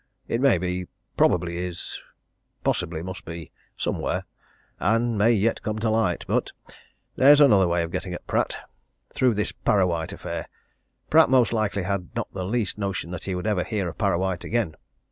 It may be probably is possibly must be somewhere and may yet come to light. But there's another way of getting at Pratt. Through this Parrawhite affair. Pratt most likely had not the least notion that he would ever hear of Parrawhite again.